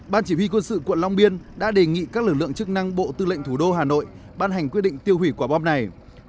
ban chỉ huy quân sự quận long biên đã đề nghị các lực lượng chức năng bộ tư lệnh thủ đô hà nội ban hành quyết định tiêu hủy quả bom này